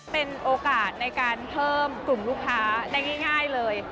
เป็นโอกาสในการเพิ่มกลุ่มลูกค้าได้ง่ายเลย